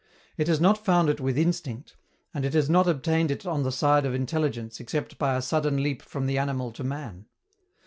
It has not found it with instinct, and it has not obtained it on the side of intelligence except by a sudden leap from the animal to man.